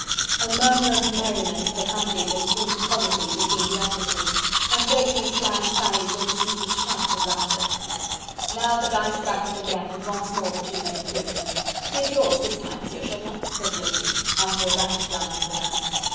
A murmur of merriment had accompanied this brief colloquy between the adversaries, and Blakeney's bland sallies were received with shouts of laughter. Now the dice rattled again and once more the two men threw. "'Tis yours this time, Monsieur Chauvelin," said Blakeney, after a rapid glance at the dice.